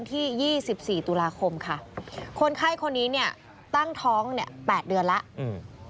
๔ตุลาคมค่ะคนไข้คนนี้ตั้งท้อง๘เดือนแล้ว